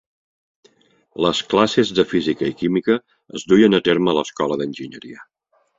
Les classes de física i química es duien a terme a l'escola d'enginyeria.